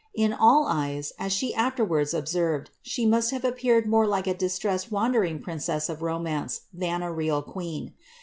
In all eyes, as she afterwards ob served, the must have appeared more like a distressed wandering princess of romance than a real queen.